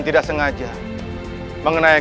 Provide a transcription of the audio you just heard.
masuklah ke dalam